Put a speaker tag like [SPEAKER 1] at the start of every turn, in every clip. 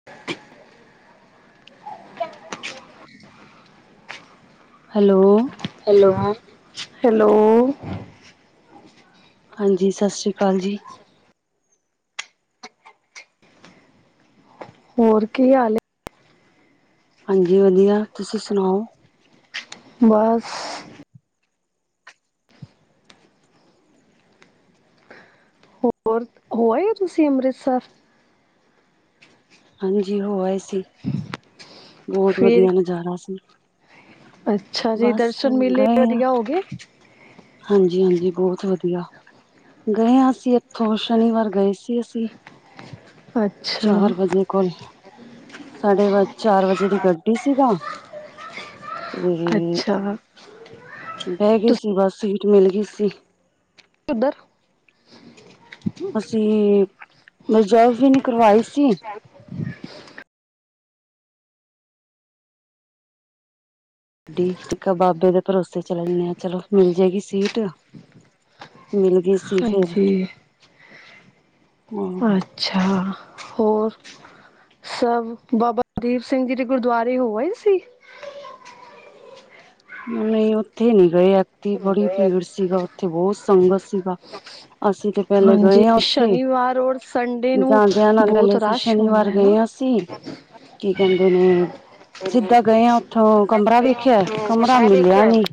[SPEAKER 1] [inaudible]
[SPEAKER 2] Hello.
[SPEAKER 1] Hello, hello.
[SPEAKER 2] ਹਾਂਜੀ, ਸਤਿ ਸ੍ਰੀ ਅਕਾਲ ਜੀ।
[SPEAKER 1] ਹੋਰ, ਕੀ ਹਾਲਏ?
[SPEAKER 2] ਹਾਂਜੀ ਵਧੀਆ, ਤੁਸੀਂ ਸੁਣਾਓ।
[SPEAKER 1] ਬਸ ਹੋਰ, ਹੋ ਆਏ ਓ ਤੁਸੀਂ ਅੰਮ੍ਰਿਤਸਰ?
[SPEAKER 2] ਹਾਂਜੀ ਹੋ ਆਏ ਸੀ, ਬਹੁਤ
[SPEAKER 1] ਫਿਰ
[SPEAKER 2] ਵਧੀਆ ਨਜ਼ਾਰਾ ਸੀ।
[SPEAKER 1] ਅੱਛਾ ਜੀ
[SPEAKER 2] ਬਸ,
[SPEAKER 1] ਦਰਸ਼ਨ ਮੇਲੇ
[SPEAKER 2] ਗਏਆ -
[SPEAKER 1] ਵਧੀਆ ਹੋ ਗਏ
[SPEAKER 2] ਹਾਂਜੀ-ਹਾਂਜੀ, ਬਹੁਤ ਵਧੀਆ। ਗ‌ਏ ਆਂ ਅਸੀਂ ਇੱਥੋਂ, ਸ਼ਨੀਵਾਰ ਗਏ ਸੀ। ਅਸੀਂ
[SPEAKER 1] ਅੱਛਾ
[SPEAKER 2] ਚਾਰ ਵਜੇ ਕੋਲ, ਸਾਡੇ ਵ ਚਾਰ ਵਜੇ ਦੀ ਗੱਡੀ ਸੀਗਾ।
[SPEAKER 1] ਅੱਛਾ--ਵਾ
[SPEAKER 2] ਬੈ ਗਈ ਸੀ ਬਸ ਸੀਟ ਮਿਲ ਗੀ ਸੀ।
[SPEAKER 1] ਕਿਧਰ?
[SPEAKER 2] ਅਸੀਂ ਰਿਜ਼ਵ ਵੀ ਨੀ ਕਰਵਾਈ ਸੀ। ਗੱਡੀ ਇਕ ਬਾਬੇ ਦੇ ਭਰੋਸੇ ਚਲਨੀ ਆ। ਚਲੋ, ਮਿਲ ਜੇਗੀ ਸੀਟ। ਮਿਲ ਗੀ ਸੀ। ਫਿਰ
[SPEAKER 1] ਹਾਂਜੀ ਅੱਛਾ--ਹੋਰ। ਸਭ ਬਾਬਾ ਦੀਪ ਸਿੰਘ ਜੀ ਦੇ ਗੁਰਦੁਆਰੇ ਹੋ ਆਏ ਸੀ।
[SPEAKER 2] ਨ‌ਈ, ਉੱਥੇ ਨ‌ਈ ਗਏ। ਐਥੇ ਬੜੀ ਭੀੜ ਸੀਗਾ, ਉੱਥੇ ਬਹੁਤ ਸੰਗਤ ਸੀਗਾ। ਅਸੀ ਤੇ ਪਹਿਲੇ
[SPEAKER 1] ਹਾਂਜੀ
[SPEAKER 2] ਗਏ ਆ। ਉਥੇ
[SPEAKER 1] ਸ਼ਨੀਵਾਰ ਔਰ ਸੰਡੇ ਨੂੰ
[SPEAKER 2] ਜਾਂਦਿਆਂ ਨਾਲ
[SPEAKER 1] ਬਹੁਤ
[SPEAKER 2] ਪਹਿਲੇ ਅਸੀ
[SPEAKER 1] ਰਸ਼ ਹੁੰਦਾ
[SPEAKER 2] ਸ਼ਨੀਵਾਰ
[SPEAKER 1] ਹੈ ਨਾ
[SPEAKER 2] ਗਏ ਆ ਸੀ ਕੀ ਕਹਿੰਦੇ ਨੇ ਸੀਦਾ ਗਏ ਆ, ਉਥੋਂ ਕਮਰਾ ਵੇਖਿਆ।
[SPEAKER 1] ਏਸ
[SPEAKER 2] ਕਮਰਾ
[SPEAKER 1] ਤਰਾ
[SPEAKER 2] ਮਿਲਿਆ
[SPEAKER 1] ਦੇਖਿਆ
[SPEAKER 2] ਨੀ।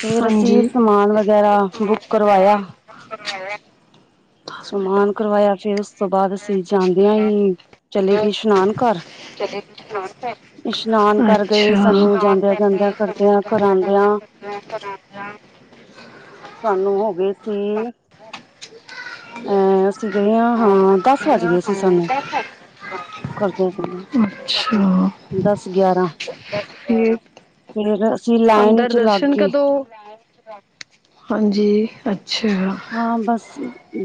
[SPEAKER 2] ਫੇਰ ਅਸੀਂ
[SPEAKER 1] ਹਾਂਜੀ।
[SPEAKER 2] ਸਮਾਨ ਵਗੈਰਾ ਬੁੱਕ ਕਰਵਾਇਆ।
[SPEAKER 1] [unintelligible] ਮਿੰਟ ਹੋ
[SPEAKER 2] ਸਮਾਨ ਕਰਵਾਇਆ ਫੇਰ ਉਸ ਤੋਂ ਬਾਦ ਅਸੀਂ ਜਾਂਦੇਆਂ ਈ ਚਲੇ ਗਏ ਇਸ਼ਨਾਨ ਘਰ। ਇਸ਼ਨਾਨ ਕਰ ਗਏ
[SPEAKER 1] ਅੱਛਾ
[SPEAKER 2] ਸਾਨੂੰ ਜਾਂਦਿਆਂ ਜਾਂਦਿਆਂ ਕਰਦਿਆਂ ਕਰਾਉਂਦਿਆਂ
[SPEAKER 1] [unintelligible]
[SPEAKER 2] ਸਾਨੂੰ ਹੋ ਗੇ ਸੀ
[SPEAKER 1] [inaudible]
[SPEAKER 2] ਅ ਅਸੀ ਗਏ ਆ। ਹਾਂ, ਦਸ ਵੱਜ ਗੇ ਸੀ ਸਾਨੂੰ। ਕਰਦੇ [unintelligible]
[SPEAKER 1] ਅੱਛਾ
[SPEAKER 2] ਦਸ-ਗਯਾਰਾਂ,
[SPEAKER 1] ਫਿਰ
[SPEAKER 2] ਫੇਰ ਅਸੀ ਲਾਈਨ
[SPEAKER 1] ਅੰਦਰ
[SPEAKER 2] ਵਿਚ ਲੱਗ
[SPEAKER 1] ਦਰਸ਼ਨ
[SPEAKER 2] ਗੇ।
[SPEAKER 1] [unintelligible] ਹਾਂਜੀ, ਅੱਛਾ।
[SPEAKER 2] ਹਾਂ ਬਸ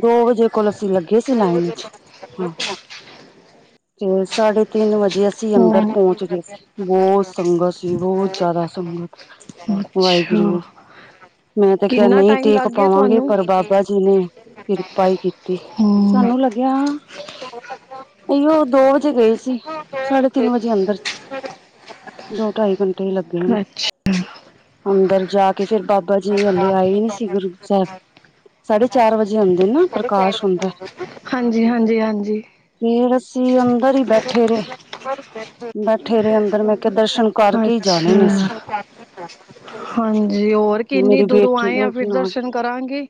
[SPEAKER 2] ਦੋ ਵਜੇ ਕੋਲ ਅਸੀ ਲੱਗੇ ਸੀ ਲਾਈਨ ਇਚ।
[SPEAKER 1] [unintelligible]
[SPEAKER 2] ਤੇ ਸਾਢੇ ਤਿੰਨ ਵਜੇ ਅਸੀ ਅੰਦਰ
[SPEAKER 1] ਹਮ
[SPEAKER 2] ਪੋਚ ਗਏ, ਬੋਤ ਸੰਗਤ ਸੀ ਬੋਤ ਜਾਦਾ। ਸੰਗਤ,
[SPEAKER 1] ਅੱਛਾ
[SPEAKER 2] ਵਾਹਿਗੁਰੂ। ਮੈਂ ਤੇ ਕੈਆ
[SPEAKER 1] ਕਿੰਨਾ
[SPEAKER 2] ਨਈ
[SPEAKER 1] ਟਾਈਮ
[SPEAKER 2] ਟੇਕ
[SPEAKER 1] ਲੱਗ ਗਿਆ
[SPEAKER 2] ਪਾਵਾਂਗੇ
[SPEAKER 1] ਤੁਹਾਨੂੰ
[SPEAKER 2] ਪਰ ਬਾਬਾ ਜੀ ਨੇ ਕਿਰਪਾ ਈ ਕੀਤੀ
[SPEAKER 1] ਹਮ
[SPEAKER 2] ਸਾਨੂੰ ਲੱਗਿਆ
[SPEAKER 1] [inaudible]
[SPEAKER 2] ਏਯੋ ਦੋ ਵਜੇ ਗਏ ਸੀ, ਸਾਢੇ ਤਿੰਨ ਵਜੇ ਅੰਦਰ। ਦੋ ਟਾਈ ਕੰਟੇ ਈ ਲੱਗੇ ਨੇ।
[SPEAKER 1] ਅੱਛਾ
[SPEAKER 2] ਅੰਦਰ ਜਾ ਕੇ ਫੇਰ ਬਾਬਾ ਜੀ ਹਲੇ ਆਏ ਈ ਨੀ ਸੀ ਗੁਰੂ ਸੈਬ। ਸਾਢੇ ਚਾਰ ਵਜੇ ਹੁੰਦੀ ਨਾ ਪ੍ਰਕਾਸ਼ ਹੁੰਦੈ।
[SPEAKER 1] ਹਾਂਜੀ-ਹਾਂਜੀ-ਹਾਂਜੀ।
[SPEAKER 2] ਫੇਰ ਅਸੀ ਅੰਦਰ ਈ ਬੈਠੇ ਰਹੇ, ਬੈਠੇ ਰਹੇ ਅੰਦਰ ਮੈਂ ਕੈਆ ਦਰਸ਼ਨ ਕਰਕੇ ਹੀ ਜਾਣੇ ਨੇ
[SPEAKER 1] ਅੱਛਾ,
[SPEAKER 2] ਅਸੀਂ
[SPEAKER 1] ਹਾਂਜੀ ਹੋਰ ਕਿੰਨੀ
[SPEAKER 2] ਮੇਰੀ
[SPEAKER 1] ਦੂਰੋਂ ਆਏ ਆ ਫਿਰ ਦਰਸ਼ਨ ਕਰਾਂਗੀ।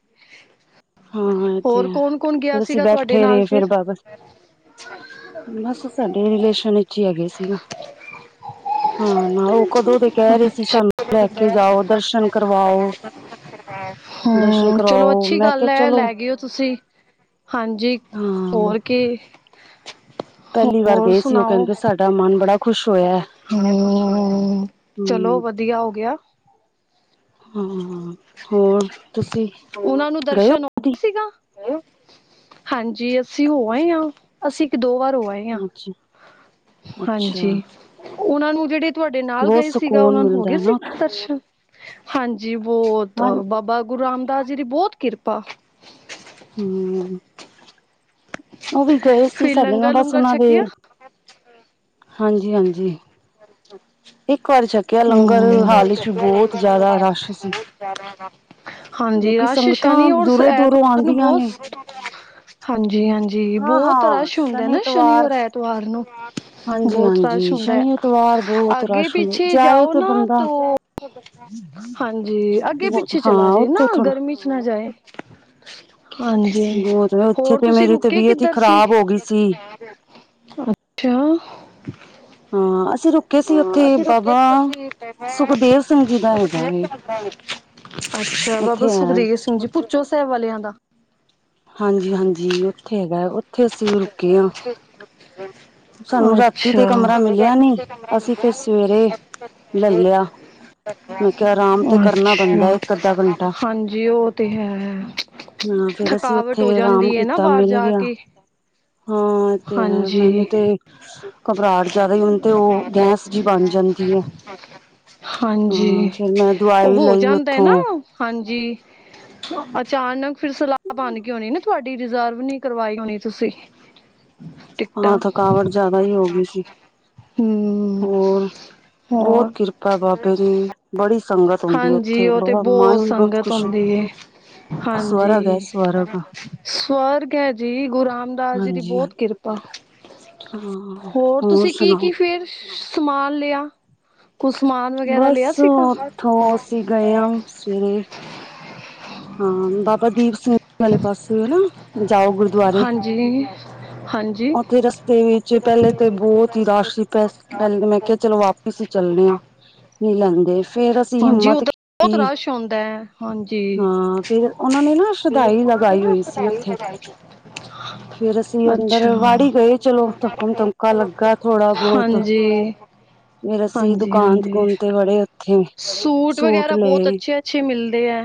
[SPEAKER 2] ਹਾਂ-ਹਾਂ।
[SPEAKER 1] ਹੋਰ ਕੌਣ-ਕੌਣ ਗਯਾ ਸੀਗਾ ਤੁਆਡੇ ਨਾਲ ਫਿਰ?
[SPEAKER 2] ਬਾਬਾ ਬਸ ਸਾਡੇ ਰਿਲੇਸ਼ਨ ਏਚ ਈ ਹੈਗੇ ਸੀ ਨਾ। ਹਾਂ ਨਾ ਓ ਕਦੋਂ ਤੇ ਕੈ ਰੇ ਸੀ
[SPEAKER 1] ਅੱਛਾ
[SPEAKER 2] ਸਾਨੂੰ ਲੈ ਕੇ ਜਾਓ ਦਰਸ਼ਨ ਕਰਵਾਓ। ਦਰਸ਼ਨ
[SPEAKER 1] ਹੂੰ ਚਲੋ
[SPEAKER 2] ਕਰਾਓ
[SPEAKER 1] ਅੱਛੀ
[SPEAKER 2] ਮੈਂ ਕਿਹਾ
[SPEAKER 1] ਗੱਲ ਐ
[SPEAKER 2] ਚਲੋ
[SPEAKER 1] ਲੈ ਗੇ ਓ ਤੁਸੀ। ਹਾਂਜੀ,
[SPEAKER 2] ਹਾਂ
[SPEAKER 1] ਹੋਰ ਕੀ,
[SPEAKER 2] ਪਹਿਲੀ ਵਾਰ
[SPEAKER 1] ਹੋਰ
[SPEAKER 2] ਗਏ ਸੀ ਉਹ
[SPEAKER 1] ਸੁਣਾਓ?
[SPEAKER 2] ਕਹਿੰਦੇ ਸਾਡਾ ਮਨ ਬੜਾ ਖੁਸ਼ ਹੋਇਆ
[SPEAKER 1] ਹੂੰ
[SPEAKER 2] ਹਮ
[SPEAKER 1] ਚਲੋ ਵਧੀਆ ਹੋ ਗਯਾ।
[SPEAKER 2] ਹਾਂ ਆਂ, ਹੋਰ ਤੁਸੀ
[SPEAKER 1] ਉਹਨਾਂ ਨੂੰ
[SPEAKER 2] ਗਏ ਓ।
[SPEAKER 1] ਦਰਸ਼ਨ ਸੀਗਾ, ਹਾਂਜੀ ਅਸੀ ਹੋ ਆਏ ਆਂ। ਅਸੀ ਇੱਕ-ਦੋ ਵਾਰ ਹੋ ਆਏ ਆ,
[SPEAKER 2] ਅੱਛਾ ਅੱਛਾ
[SPEAKER 1] ਹਾਂਜੀ। ਓਨਾ ਨੂੰ ਜੇੜੇ ਤੁਆਡੇ ਨਾਲ
[SPEAKER 2] ਬਹੁਤ
[SPEAKER 1] ਗਏ ਸੀਗਾ
[SPEAKER 2] ਸਕੂਨ
[SPEAKER 1] ਉਨਾਂ ਨੂੰ ਹੋ
[SPEAKER 2] ਮਿਲਦਾ
[SPEAKER 1] ਗਏ
[SPEAKER 2] ਹੈ
[SPEAKER 1] ਸੀ
[SPEAKER 2] ਨਾ
[SPEAKER 1] ਦਰਸ਼ਨ? ਹਾਂਜੀ ਬੋਤ
[SPEAKER 2] ਹਾਂ
[SPEAKER 1] ਬਾਬਾ ਗੁਰੂ ਰਾਮਦਾਸ ਜੀ ਦੀ ਬੋਤ ਕਿਰਪਾ।
[SPEAKER 2] ਹੂੰ। ਹੂੰ। ਓਵੀ ਗਏ ਸੀ
[SPEAKER 1] ਫਿਰ
[SPEAKER 2] ਸਾਡੇ ਨਾਲ
[SPEAKER 1] ਲੰਗਰ
[SPEAKER 2] ਬਸ
[SPEAKER 1] ਲੂੰਗਰ
[SPEAKER 2] ਉਹਨਾਂ ਦੇ
[SPEAKER 1] ਛਕਿਆ
[SPEAKER 2] ਹਾਂਜੀ-ਹਾਂਜੀ। [inaudible]
[SPEAKER 1] ਹੂੰ ਇੱਕ ਵਾਰੀ
[SPEAKER 2] ਵੀ
[SPEAKER 1] ਛਕਿਆ
[SPEAKER 2] ਬਹੁਤ
[SPEAKER 1] ਲੰਗਰ
[SPEAKER 2] ਜ਼ਿਆਦਾ
[SPEAKER 1] ਹਾਲ
[SPEAKER 2] ਰਸ਼
[SPEAKER 1] ਚ
[SPEAKER 2] ਸੀ
[SPEAKER 1] ਬੋਤ ਜਾਦਾ ਰਾਸ਼ ਹਾਂਜੀ,
[SPEAKER 2] ਕਿਉਂਕਿ
[SPEAKER 1] ਰਾਸ਼
[SPEAKER 2] ਸੰਗਤਾਂ
[SPEAKER 1] ਸ਼ਨੀ ਔਰ ਸ
[SPEAKER 2] ਦੂਰੋਂ ਦੂਰੋਂ
[SPEAKER 1] ਐਤਵਾਰ ਨੂੰ‌
[SPEAKER 2] ਆਉਂਦੀਆਂ
[SPEAKER 1] ਬੋਤ
[SPEAKER 2] ਨੇ
[SPEAKER 1] ਸ ਹਾਂਜੀ-ਹਾਂਜੀ
[SPEAKER 2] ਹਾਂ
[SPEAKER 1] ਬੋਤ
[SPEAKER 2] ਹਾਂ
[SPEAKER 1] ਰਾਸ਼ ਹੁੰਦਾ ਨਾ ਸ਼ਨੀ
[SPEAKER 2] ਐਤਵਾਰ
[SPEAKER 1] ਔਰ ਐਤਵਾਰ ਨੂੰ
[SPEAKER 2] ਹਾਂਜੀ
[SPEAKER 1] ਬੋਤ ਰਾਸ਼
[SPEAKER 2] ਹਾਂਜੀ
[SPEAKER 1] ਹੁੰਦੈ।
[SPEAKER 2] ਸ਼ਨੀ ਐਤਵਾਰ ਬਹੁਤ ਰਸ਼ ਹੁੰਦਾ
[SPEAKER 1] ਅੱਗੇ-ਪਿੱਛੇ
[SPEAKER 2] ਜਾਏ
[SPEAKER 1] ਜਾਓ
[SPEAKER 2] ਤੇ
[SPEAKER 1] ਨਾ
[SPEAKER 2] ਬੰਦਾ
[SPEAKER 1] ਤੋ, ਹਾਂਜੀ ਅੱਗੇ-ਪਿ ਛੇ
[SPEAKER 2] ਹਾਂ
[SPEAKER 1] ਚਲਾ ਜਾਏ ਨਾ
[SPEAKER 2] ਉੱਥੇ ਥੋੜਾ
[SPEAKER 1] ਗਰਮੀ ਚ ਨਾ ਜਾਏ। ਹਾਂਜੀ,
[SPEAKER 2] ਬਹੁਤ ਉੱਥੇ
[SPEAKER 1] ਹੋਰ
[SPEAKER 2] ਤੇ
[SPEAKER 1] ਤੁਸੀਂ
[SPEAKER 2] ਮੇਰੀ
[SPEAKER 1] ਰੁਕੇ
[SPEAKER 2] ਤਬੀਅਤ ਹੀ
[SPEAKER 1] ਕਿੱਧਰ ਸੀ।
[SPEAKER 2] ਖ਼ਰਾਬ ਹੋ ਗਈ ਸੀ
[SPEAKER 1] ਅੱਛਾ।
[SPEAKER 2] ਹਾਂ ਅਸੀਂ ਰੁਕ ਕਿਸੀ ਓਥੇ ਬਾਬਾ ਸੁਖਦੇਵ ਸਿੰਘ ਜੀ ਦਾ ਹੈਗਾ ਦੇ।
[SPEAKER 1] ਹਾਂ। ਅੱਛਾ ਬਾਬਾ
[SPEAKER 2] ਹੈ
[SPEAKER 1] ਸੁਖਦੇਵ ਸਿੰਘ ਜੀ ਪੁੱਚੌ ਸੈਬ ਵਾਲਿਆਂ ਦਾ
[SPEAKER 2] ਹਾਂਜੀ-ਹਾਂਜੀ ਓਥੇ ਹੈਗਾ ਓਥੇ ਅਸੀਂ ਰੁਕੇ ਆ
[SPEAKER 1] ਅੱਛਾ।
[SPEAKER 2] ਅਸੀਂ ਫਿਰ ਸਵੇਰੇ ਲੈ ਲਿਆ ਮੈਂ ਕਿਹਾ ਆਰਾਮ ਤੇ ਕਰਨਾ ਬੰਦਾ
[SPEAKER 1] ਅੱਛਾ,
[SPEAKER 2] ਇੱਕ ਅੱਧਾ ਘੰਟਾ
[SPEAKER 1] ਹਂਜੀ ਔ ਤੇ ਹੈ ਹੈ।
[SPEAKER 2] ਹਾਂ ਫੇਰ ਅਸੀਂ
[SPEAKER 1] ਥਕਾਵਟ
[SPEAKER 2] ਉੱਥੇ
[SPEAKER 1] ਹੋ
[SPEAKER 2] ਆਰਾਮ
[SPEAKER 1] ਜਾਂਦੀ ਨਾ
[SPEAKER 2] ਕੀਤਾ
[SPEAKER 1] ਬਾਹਰ
[SPEAKER 2] ਮਿਲ
[SPEAKER 1] ਜਾ
[SPEAKER 2] ਗਿਆ।
[SPEAKER 1] ਕੇ
[SPEAKER 2] ਹਾਂ ਤੇ ਹੈ ਮੈਨੂੰ
[SPEAKER 1] ਹਾਂਜੀ
[SPEAKER 2] ਤੇ ਘਬਰਾਹਟ ਜੈ਼ਦਾ ਹੀ ਹੁਨ ਤੇ ਉਹ ਗੈਸ ਜੀ ਬਨ ਜੈਂਦੀ ਏ।
[SPEAKER 1] ਹਂਜੀ,
[SPEAKER 2] ਮੈਂ
[SPEAKER 1] ਔਹ
[SPEAKER 2] ਦਵਾਈ
[SPEAKER 1] ਹੋ
[SPEAKER 2] ਲਈ
[SPEAKER 1] ਜੈਂਦਾ
[SPEAKER 2] ਉੱਥੋਂ
[SPEAKER 1] ਨਾ। ਹਂਜੀ, ਅਚਾਨਕ ਫਿਰ ਸਲਾਹ ਬਨ ਗੀ ਹੋਨੀ ਨਾ ਤੁੱਡੀੇ। ਰਿਜ਼ਰਵ ਨੀ ਕਰਵਾਈ ਹੋਨੀ ਤੁਸੀ।
[SPEAKER 2] ਹਾਂ ਥਕਾਵਟ ਜੈ਼ਦਾ ਹੀ ਹੋ ਗਈ ਸੀ
[SPEAKER 1] ਹਮ
[SPEAKER 2] ਹੋਰ ਬੋੱਤ
[SPEAKER 1] ਹੋਰ
[SPEAKER 2] ਕਿਰਪਾ ਬਾਬੇ ਦੀ ਬੜੀ ਸੰਗਤ ਹੁੰਂਦੀ ਏ।
[SPEAKER 1] ਹਾਂਜੀ
[SPEAKER 2] ਉੱਥੇ
[SPEAKER 1] ਉਹ ਤੇ
[SPEAKER 2] ਬੜਾ ਮਨ ਵੀ ਬਹੁਤ
[SPEAKER 1] ਸੰਗਤ
[SPEAKER 2] ਖੁਸ਼
[SPEAKER 1] ਹੁੰਦੀ ਏ
[SPEAKER 2] ਸਵਰਗ ਹੈ
[SPEAKER 1] ਹਂਜੀ
[SPEAKER 2] ਸਵਰਗ
[SPEAKER 1] ਸਵਰਗ ਐ ਜੀ ਗੁਰੂ ਰਾਮ ਦਾਸ ਜੀ ਦੀ
[SPEAKER 2] ਹਾਂਜੀ ਹਾਂ
[SPEAKER 1] ਬੋੱਤ ਕਿਰਪਾ
[SPEAKER 2] ਹਾਂ
[SPEAKER 1] ਹੋਰ ਤੁਸੀਂ ਕੀ
[SPEAKER 2] ਸੁਣਾਓ
[SPEAKER 1] ਕੀ ਫੇਰ ਸਮਾਨ ਲਿਆ। ਕੁਸਮਾਨ।
[SPEAKER 2] ਬਸ ਓਥੋਂ ਦੀ ਗਏ ਅਮ ਸਵੇਰੇ। ਹਾਂ ਬਾਬਾ ਦੀਪ ਸਿੰਘ ਵਾਲੇ ਪਾਸੇ ਜਾਔ ਗੁਰਦੁਆਰੇ।
[SPEAKER 1] ਹਾਂਜੀ ਹਾਂਜੀ
[SPEAKER 2] ਉੱਥੇ ਰਸਤੇ ਵਿੱਚ ਪੈਲੇ ਤੇ ਬੋੱਤ ਹੀ ਰਸ਼ ਸੀ। ਪੈਲੇ ਮੈਂ ਕਿ ਚਲੋ ਵਾਪਿਸ ਈ ਚੱਲਨੇ ਆ ਨਹੀਂ ਲੈਂਦੇ। ਫੇਰ ਅਸੀਂ
[SPEAKER 1] ਹਂਜੀ, ਔ
[SPEAKER 2] ਹਿੰਮਤ
[SPEAKER 1] ਤਾਂ ਬੋੱਤ
[SPEAKER 2] ਕੀਤੀ
[SPEAKER 1] ਰਸ਼ ਹੁੰਦੈ।
[SPEAKER 2] ਹਾਂ ਫਿਰ ਉਨਾਂ ਨੇ ਨਾ ਸ਼ਦਾਈ ਲਗਾਈ ਹੋਈ ਸੀ ਉੱਥੇ। ਫੇਰ ਅਸੀਂ ਅੰਦਰ
[SPEAKER 1] ਅੱਛਾ
[SPEAKER 2] ਵੜ ਈ ਗਏ ਚਲੋ ਧੱਕਮ ਧਮਕਾ ਲੱਗਾ ਥੋੜਾ ਬੋੱਤ।
[SPEAKER 1] ਹਾਂਜੀ
[SPEAKER 2] ਫੇਰ ਅਸੀਂ
[SPEAKER 1] ਹਾਂਜੀ
[SPEAKER 2] ਦੁਕਾਨ
[SPEAKER 1] ਹਾਂਜੀ
[SPEAKER 2] ਦੁਕੂਨ ਤੇ ਵੜੇ। ਉੱਥੇ
[SPEAKER 1] ਸੂਟ ਵਗੈਰਾ ਬੋੱਤ ਅੱਛੇ, ਅੱਛੇ ਮਿਲਦੇ ਐ।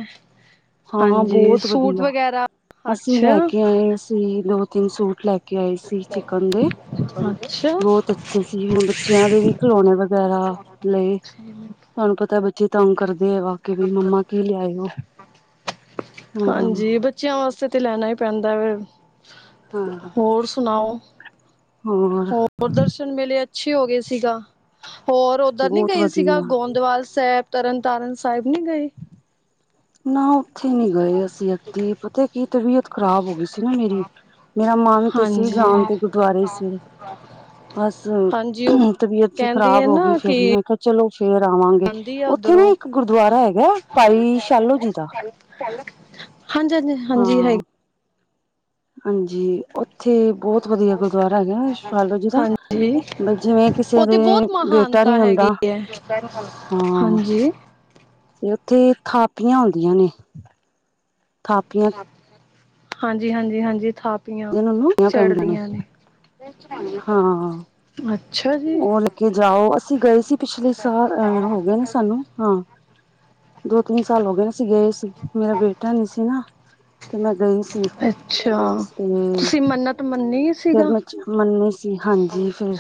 [SPEAKER 2] ਹਾਂ ਬੋੱਤ ਵਧੀਆ ਅਸੀਂ ਲੈ
[SPEAKER 1] ਅੱਛਾ
[SPEAKER 2] ਕੇ ਆਏ ਸੀ ਦੋ ਤਿੰਨ ਸੂਟ ਲੈ ਕੇ ਕੇ ਆਏ ਸੀ ਚਿਕਨ ਦੇ
[SPEAKER 1] ਅੱਛਾ
[SPEAKER 2] ਬੋੱਤ ਅੱਛੇ ਸੀ ਬੱਚਿਆਂ ਦੇ ਵੀ ਖਿਲੋਨੇ ਵਗੈਰਾ। ਲਏ ਤੁਨੂੰ ਪਤਾ ਬੱਚੇ ਤੰਗ ਕਰਦੇ ਆ ਵਾਕੇ ਮੰਮਾ ਕੀ ਲਿਆਏ ਔ।
[SPEAKER 1] ਹਂਜੀ, ਬੱਚਿਆਂ ਵਾਸਤੇ ਤੇ ਲੈਨਾ ਈ ਪੈਂਦਾ ਵੇ।
[SPEAKER 2] ਹਾਂ
[SPEAKER 1] ਹੋਰ ਸੁਨਾਔ ਹੋਰ। ਹੋਰ ਦਰਸ਼ਨ ਮੇਲੇ ਅੱਛੇ ਹੋ ਗਏ ਸੀਗਾ ਹੋਰ ਔਧਰ ਨੀ
[SPEAKER 2] ਬਹੁਤ
[SPEAKER 1] ਗਏ ਸੀਗਾ
[SPEAKER 2] ਵਧੀਆ
[SPEAKER 1] ਗੋਂਦਵਾਲ ਸਾਹਿਬ। ਤਰਨਤਾਰਨ ਸਾਹਿਬ ਨੀ ਗਏ।
[SPEAKER 2] ਨਾ। ਉੱਥੇ ਨੀ ਗਏ ਅਸੀਂ ਅਗੇ ਪਤਾ ਕੀ ਤਬੀਅਤ ਖ਼ਰਾਬ ਹੋ ਗਈ ਸੀ ਨਾ ਮੇਰੀ ਮੇਰਾ ਮਨ ਤੇ ਸੀ ਜਾਨਤੇ।
[SPEAKER 1] ਸਾਫ ਦੁਵਾਰੇ।
[SPEAKER 2] ਬਸ ਤਬੀਅਤ ਜੀ
[SPEAKER 1] ਕਹਿੰਦੀ
[SPEAKER 2] ਖ਼ਰਾਬ
[SPEAKER 1] ਹੈ
[SPEAKER 2] ਹੋ ਗਈ।
[SPEAKER 1] ਨਾ
[SPEAKER 2] ਫਿਰ
[SPEAKER 1] ਕਿ
[SPEAKER 2] ਮੈਂ ਕਿਹਾ ਚਲੋ ਫੇਰ ਆਵਾਂਗੇ।
[SPEAKER 1] ਆਂਦੀ ਆ
[SPEAKER 2] ਉੱਥੇ ਨਾ
[SPEAKER 1] ਉੱਧਰੋਂ
[SPEAKER 2] ਇੱਕ ਗੁਰਦੁਆਰਾ ਹੈਗਾ ਭਾਈ ਸ਼ਾਲੋ ਜੀ ਦਾ।
[SPEAKER 1] ਸਾਲੋ ਹਂਜੀ, ਹਂਜੀ।
[SPEAKER 2] ਹਾਂ। ਹਂਜੀ, ਔਥੇ ਬੋੱਤ ਵਧੀਆ ਗੁਰਦੁਆਰਾ ਹੈਗਾ ਸਾ਼ਲੋ ਜੀ ਦਾ।
[SPEAKER 1] ਹਾਂਜੀ
[SPEAKER 2] ਬਸ ਜਿਵੇਂ ਕਿਸੇ ਦੇ ਬੇਟਾ ਨੀ ਹੁੰਦਾ ਹਾਂ
[SPEAKER 1] ਹਂਜੀ।
[SPEAKER 2] ਤੇ ਉੱਥੇ ਥਾਪੀਆਂ ਆਉਂਦੀਆਂ ਨੇ। ਥਾਪੀਆਂ।
[SPEAKER 1] ਹਂਜੀ, ਹਂਜੀ, ਹਂਜੀ ਥਾਪ ਇਆਂ
[SPEAKER 2] ਕਹਿੰਦੇ ਨੇ ਉਹਨੂੰ ਪੈਂਦੀਆਂ
[SPEAKER 1] ਚੜਦੀਆਂ ਨੇ। ਅੱਛਾ ਜੀ
[SPEAKER 2] ਔ ਹ ਲੈ ਕੇ ਜਾਔ ਅਸੀਂ ਗਏ ਸੀ। ਪਿਛਲੇ ਸਾਲ ਅ ਹੋ ਗਏ ਨੇ ਸਾਨੂੰ ਹਾਂ। ਦੋਤਿੰਨ ਸਾਲ ਹੋ ਗਏ ਅਸੀ ਗਏ ਸੀ ਮੇਰਾ ਬੇਟਾ ਨਹੀਂ ਸੀ ਨਾ। ਤੇ ਮੈਂ ਗਈ ਸੀ,
[SPEAKER 1] ਅੱਛਾ ਤੁਸੀਂ
[SPEAKER 2] ਤੇ
[SPEAKER 1] ਮੰਨਤ ਮੰਨੀ
[SPEAKER 2] ਫੇਰ
[SPEAKER 1] ਸੀਗਾ
[SPEAKER 2] ਮੈਂ ਮੰਨੀ ਸੀ, ਹਾਂਜੀ ਫੇਰ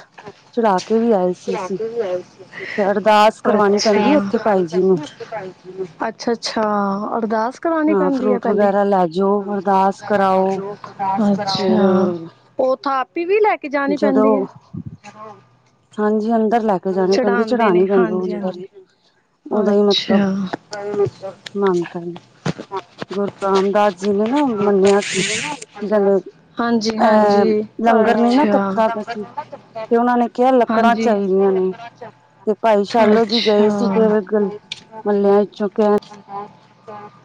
[SPEAKER 2] ਚੜਾ ਕੇ ਵੀ ਆਏ ਸੀ।
[SPEAKER 1] ਚੜਾ
[SPEAKER 2] ਅਸੀਂ
[SPEAKER 1] ਕੇ ਵੀ ਆਏ ਸੀ,
[SPEAKER 2] ਤੇ ਅਰਦਾਸ ਕਰਵਾਉਣੀ
[SPEAKER 1] ਅੱਛਾ।
[SPEAKER 2] ਪੈਂਦੀ ਹੈ ਉੱਥੇ
[SPEAKER 1] ਅਰਦਾਸ
[SPEAKER 2] ਭਾਈ
[SPEAKER 1] ਕਰਾਨੀ
[SPEAKER 2] ਜੀ ਨੂੰ
[SPEAKER 1] ਪੈਂਦੀ ਏ। ਅੱਛਾ, ਅੱਛਾ ਅਰਦਾਸ ਕਰਾਨੀ
[SPEAKER 2] ਹਾਂ
[SPEAKER 1] ਪੈਂਦੀ ਆ,
[SPEAKER 2] ਫਰੂਟ
[SPEAKER 1] ਪਹਿਲੇ
[SPEAKER 2] ਵਗੈਰਾ ਲੈ ਜਾਓ
[SPEAKER 1] ਫਰੂਟਸ
[SPEAKER 2] ਅਰਦਾਸ
[SPEAKER 1] ਵਗੈਰਾ ਲੈ
[SPEAKER 2] ਕਰਾਓ
[SPEAKER 1] ਜੋ ਅਰਦਾਸ ਕਰਾਓ,
[SPEAKER 2] ਫਿਰ
[SPEAKER 1] ਅੱਛਾ। ਔਰ ਥਾਪੀ ਵੀ ਲੈ ਕੇ ਜਾਨੀ ਪੈਂਦੀ
[SPEAKER 2] ਜਦੋਂ
[SPEAKER 1] ਏ।
[SPEAKER 2] ਹਾਂਜੀ ਅੰਦਰ ਲੈ ਕੇ ਜਾਣੀ ਪੈਂਦੀ
[SPEAKER 1] ਚੜਾਂਦੇ ਨੇ
[SPEAKER 2] ਚੜਾਉਣੀ ਪੈਂਦੀ ਉਹ ਅੰਦਰ
[SPEAKER 1] ਹਾਂਜੀ-ਹਾਂਜੀ। ਅੱਛਾ
[SPEAKER 2] ਮਾਨਤਾ ਏ ਗੁਰ ਰਾਮਦਾਸ ਜੀ ਨੇ ਨਾ ਮੰਨੇਆ ਸੀ, ਕੀ ਕਹਿੰਦੇ ਐ
[SPEAKER 1] ਹਾਂਜੀ-ਹਾਂਜੀ
[SPEAKER 2] ਲੰਗਰ ਨੀ ਨਾ
[SPEAKER 1] ਅੱਛਾ।
[SPEAKER 2] ਖਖਾਂ ਫੇਰ ਤੇ ਉਨਾਂ ਨੇ ਕੇਆ ਲੱਕੜਾਂ
[SPEAKER 1] ਹਾਂਜੀ।
[SPEAKER 2] ਚਲਨੀਆਂ ਨੇ। ਤੇ ਭਾਈ
[SPEAKER 1] ਅੱਛਾ।
[SPEAKER 2] ਸ਼ਾਲੋ ਜੀ
[SPEAKER 1] ਅੱਛਾ
[SPEAKER 2] ਗਏ ਸੀ, ਫੇਰ ਮਹੱਲੇਆਂ ਚੋਂ ਕੈਹਨ
[SPEAKER 1] [unintelligible]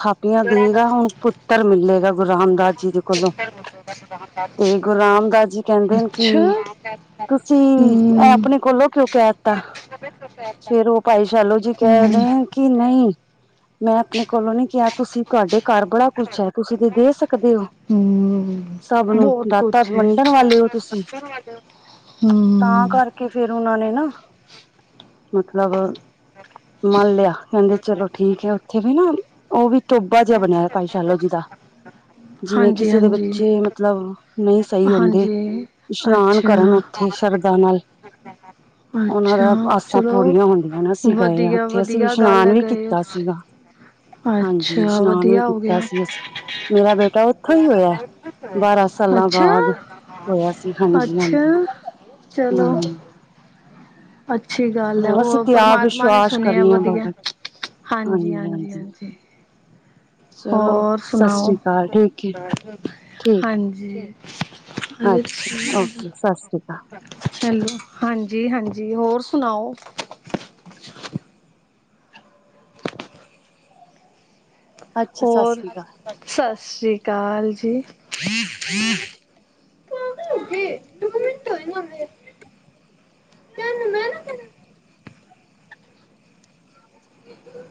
[SPEAKER 2] ਥਾਪੀਆਂ ਦੇਗਾ, ਹੁਨ ਪੁੱਤਰ ਮਿਲੇਗਾ। ਗੁਰੂ ਰਾਮਦਾਸ ਜੀ ਦੇ ਕੋਲੋਂ। ਤੇ ਗੁਰੂ ਰਾਮਦਾਸ ਜੀ ਕਹਿੰਦੇ ਨੇ, ਕਿ ਤੁਸੀਂ ਏ
[SPEAKER 1] ਹੂੰ-ਹੂੰ।
[SPEAKER 2] ਆਪਨੇ ਕੋਲੋਂ ਕਿਉਂ ਕੇਅ ਤਾਂ ਫੇਰ ਓ ਭਾਈ ਸ਼ਾਲੋ ਜੀ ਕੇਅ ਰੇਅ ਨੇ ਕਿ ਨਈ ਮੈਂ ਆਪਨੇ ਕੋਲੋਂ ਨੀ ਕੇਆ ਤੁਸੀਂ ਤੁਹਾਡੇ ਘਰ ਬੜਾ ਕੁਛ ਏ, ਤੁਸੀਂ ਤੇ ਦੇ ਸਕਦੇ ਹੋ?
[SPEAKER 1] ਹੂੰ,
[SPEAKER 2] ਸਭ ਨੂੰ
[SPEAKER 1] ਬਹੁਤ
[SPEAKER 2] ਦਾਤਾ
[SPEAKER 1] ਕੁਛ ਹੈ
[SPEAKER 2] ਵੰਡਨ ਵਾਲੇ ਹੋ? ਤੁਸੀਂ ਤਾਂ
[SPEAKER 1] ਹੂੰ।
[SPEAKER 2] ਕਰਕੇ ਕੇ ਫੇਰ ਉਨਾ ਨੇ ਨਾ ਮਤਲਬ ਮਨ ਲੇਆ ਕਹਿੰਦੇ ਚਲੋ ਠੀਕ ਏ, ਉੱਥੇ ਵੀ ਨਾ ਓ ਵੀ ਤੋਬਾ ਜੇਹਾ ਬਨੇਆ ਹੋਆ, ਭਾਈ ਸ਼ਾਲੋ ਜੀ ਦਾ। ਜਿਵੇਂ
[SPEAKER 1] ਹਾਂਜੀ,
[SPEAKER 2] ਕਿਸੇ ਦੇ
[SPEAKER 1] ਹਾਂਜੀ,
[SPEAKER 2] ਬੱਚੇ ਮਤਲਬ ਨਈ ਸਹੀ ਹੁੰਦੇ।
[SPEAKER 1] ਹਾਂਜੀ
[SPEAKER 2] ਇਸ਼ਨਾਨ
[SPEAKER 1] ਅੱਛਾ,
[SPEAKER 2] ਕਰਨ ਉੱਥੇ ਸ਼ਰਧਾ ਨਾਲ ਉਨਾਂ
[SPEAKER 1] ਅੱਛਾ
[SPEAKER 2] ਦਾ ਆਸਾਂ
[SPEAKER 1] ਚਲੋ
[SPEAKER 2] ਪੂਰੀਆਂ ਹੁੰਦੀਆਂ ਨਾ, ਅਸੀਂ ਗਏ ਆ,
[SPEAKER 1] ਵਧੀਆ,
[SPEAKER 2] ਉੱਥੇ ਅਸੀਂ
[SPEAKER 1] ਵਧੀਆ ਗੱਲ
[SPEAKER 2] ਇਸ਼ਨਾਨ
[SPEAKER 1] ਹੈ
[SPEAKER 2] ਵੀ
[SPEAKER 1] ਗਏ ਹੋ
[SPEAKER 2] ਕੀਤਾ
[SPEAKER 1] ਤੁਸੀਂ
[SPEAKER 2] ਸੀਗਾ। ਹਾਂਜੀ,
[SPEAKER 1] ਅੱਛਾ
[SPEAKER 2] ਇਸ਼ਨਾਨ ਵੀ
[SPEAKER 1] ਵਧੀਆ ਹੋ
[SPEAKER 2] ਕੀਤਾ
[SPEAKER 1] ਗਿਆ।
[SPEAKER 2] ਸੀ। ਅਸੀ ਮੇਰਾ ਬੇਟਾ ਉਥੋਂ ਹੀ ਹੋਏਆ, ਬਾਰਾਂ ਸਾਲਾਂ
[SPEAKER 1] ਅੱਛਾ,
[SPEAKER 2] ਬਾਅਦ ਹੋਏਆ ਸੀ
[SPEAKER 1] ਅੱਛਾ
[SPEAKER 2] ਹਾਂਜੀ-ਹਾਂਜੀ।
[SPEAKER 1] ਚਲੋ ਅੱਛੀ ਗੱਲ ਏ,
[SPEAKER 2] ਅਸੀਂ
[SPEAKER 1] ਓ
[SPEAKER 2] ਤੇ ਆਪ
[SPEAKER 1] ਪਰਮਾਤਮਾ ਨੇ
[SPEAKER 2] ਵਿਸ਼ਵਾਸ
[SPEAKER 1] ਸੁਨੇਆ
[SPEAKER 2] ਕਰਨੇ ਹਾਂ
[SPEAKER 1] ਵਧੀਆ
[SPEAKER 2] ਬਾਬਾ
[SPEAKER 1] ਹਾਂਜੀ-ਹਾਂਜੀ। ਜੀ ਹਾਂਜੀ
[SPEAKER 2] ਚਲੋ
[SPEAKER 1] ਹੋਰ
[SPEAKER 2] ਸਤਿ
[SPEAKER 1] ਸੁਣਾਓ?
[SPEAKER 2] ਸ੍ਰੀ ਅਕਾਲ ਠੀਕ ਹੈ ਠੀਕ
[SPEAKER 1] ਹਾਂਜੀ
[SPEAKER 2] ਅੱਛਾ, ਓਕੇ ਸਤਿ ਸ਼੍ਰੀ ਅਕਾਲ।
[SPEAKER 1] ਹੈਲੋ ਹਾਂਜੀ-ਹਾਂਜੀ ਹੋਰ ਸੁਣਾਓ?
[SPEAKER 2] ਅੱਛਾ ਸਤਿ
[SPEAKER 1] ਹੋਰ,
[SPEAKER 2] ਸ਼੍ਰੀ ਅਕਾਲ।
[SPEAKER 1] ਸਤਿ ਸ੍ਰੀ ਅਕਾਲ ਜੀ। ਪਾਗਲ ਓ ਕੇ ਦੋ ਮਿੰਟ ਹੋਏ ਨੇ ਹਲੇ ਤੈਨੂੰ ਮੈਂ ਨਾ ਫੇਰ [inaudible]